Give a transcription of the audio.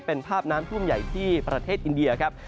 เป็นภาพน้ำท่วมใหญ่ที่ประเทศอินเดียครับ